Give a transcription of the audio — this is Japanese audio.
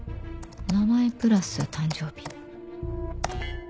名前プラス誕生日